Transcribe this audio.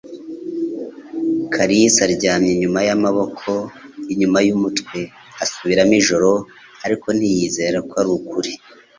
Kalisa aryamye inyuma y'amaboko inyuma y'umutwe, asubiramo ijoro, ariko ntiyizera ko ari ukuri